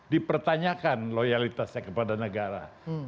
dipertanyakan loyalitasnya kepada negara